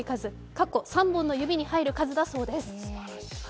過去３本の指に入る数だそうです。